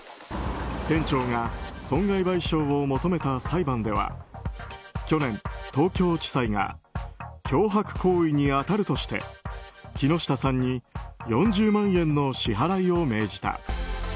店長が損害賠償を求めた裁判では去年、東京地裁が脅迫行為に当たるとして木下さんに４０万円の支払いを命じた。